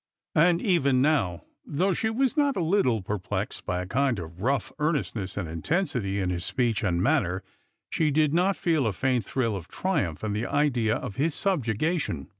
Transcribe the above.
And even now, though she was not a little perplexed by a kind of rough earnestness and intensity in his speech and manner, she did feel a faint thrill of triumph in the idea of his subjugation.